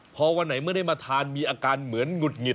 พอวันไหนเมื่อได้มาทานมีอาการเหมือนหงุดหงิด